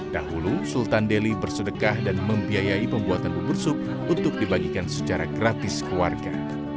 dahulu sultan deli bersedekah dan membiayai pembuatan bubur sup untuk dibagikan secara gratis ke warga